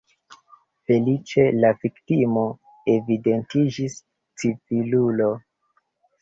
Feliĉe, la viktimo evidentiĝis civilulo.